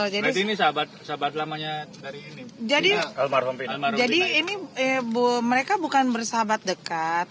jadi ini mereka bukan bersahabat dekat